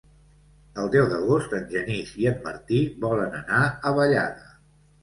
El deu d'agost en Genís i en Martí volen anar a Vallada.